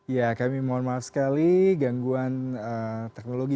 ya kami mohon maaf sekali gangguan teknologi